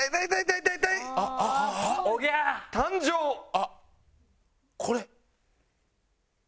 あっこれ。